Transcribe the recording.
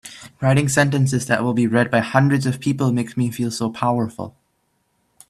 Writing sentences that will be read by hundreds of people makes me feel so powerful!